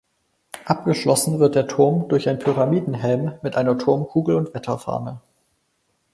Abgeschlossen wird der Turm durch einen Pyramidenhelm mit einer Turmkugel und Wetterfahne.